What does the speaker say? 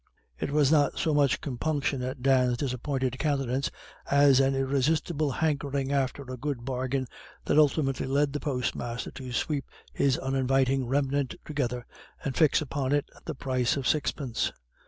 It was not so much compunction at Dan's disappointed countenance as an irresistible hankering after a good bargain that ultimately led the postmaster to sweep this uninviting remnant together, and fix upon it the price of sixpence.